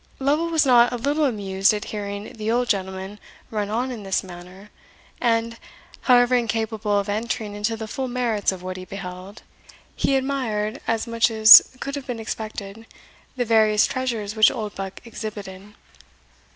Lovel was not a little amused at hearing the old gentleman run on in this manner, and, however incapable of entering into the full merits of what he beheld, he admired, as much as could have been expected, the various treasures which Oldbuck exhibited.